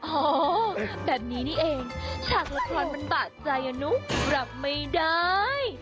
อ้าวแบบนี้นี่เองฉากละครมันบ้าใจอ่ะนุกหลับไม่ได้